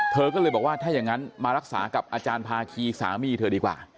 เธอก็เลยบอกว่าถ้าอย่างนั้นมารักษากับอาจารย์ภาคีสามีเธอดีกว่า